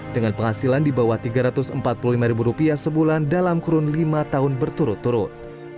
dengan penghasilan di bawah rp tiga ratus empat puluh lima sebulan dalam kurun lima tahun berturut turut